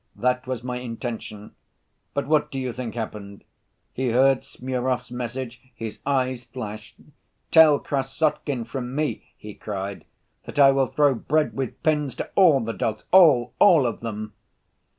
That was my intention. But what do you think happened? He heard Smurov's message, his eyes flashed. 'Tell Krassotkin from me,' he cried, 'that I will throw bread with pins to all the dogs—all—all of them!